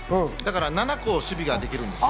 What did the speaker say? ７個、守備ができるんです。